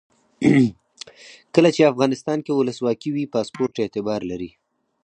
کله چې افغانستان کې ولسواکي وي پاسپورټ اعتبار لري.